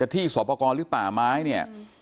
ที่สวปกรณ์รึป่าม้ายเนี่ย